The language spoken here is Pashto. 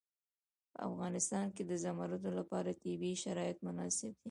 په افغانستان کې د زمرد لپاره طبیعي شرایط مناسب دي.